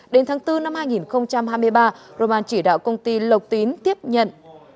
đến tháng bốn năm hai nghìn hai mươi ba roman chỉ đạo công ty lộc tín tiếp nhận